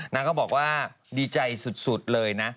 นางก็บอกว่าดีใจสุดเลยนะ